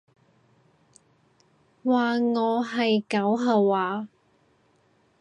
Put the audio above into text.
話我係狗吓話？